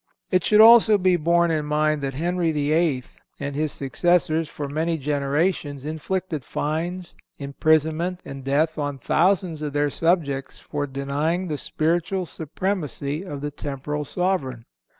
It should also be borne in mind that Henry VIII. and his successors for many generations inflicted fines, imprisonment and death on thousands of their subjects for denying the spiritual supremacy of the temporal sovereign.